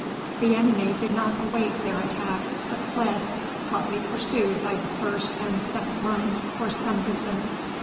The enemy did not await their attack, but fled, hotly pursued by the first and second lines for some distance.